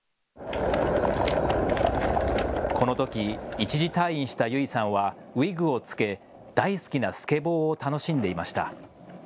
このとき一時退院した優生さんはウイッグをつけ大好きなスケボーを楽しんでいました。